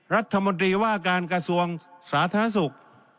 รัฐมนตรีว่าการกระทรวงสาธารณสุข